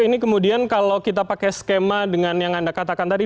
ini kemudian kalau kita pakai skema dengan yang anda katakan tadi